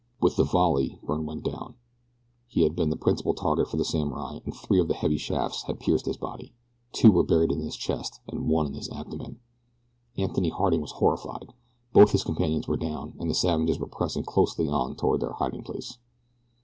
With the volley Byrne went down he had been the principal target for the samurai and three of the heavy shafts had pierced his body. Two were buried in his chest and one in his abdomen. Anthony Harding was horrified. Both his companions were down, and the savages were pressing closely on toward their hiding place.